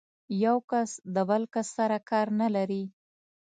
یو کس د بل کس سره کار نه لري.